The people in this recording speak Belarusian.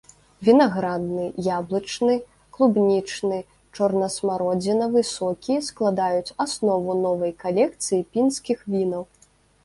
Вінаградны, яблычны, клубнічны, чорнасмародзінавы сокі складаюць аснову новай калекцыі пінскіх вінаў.